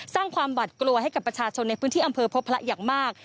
สร้างความหวัดกลัวให้กับประชาชนในพื้นที่อำเภอพบพระอย่างมาก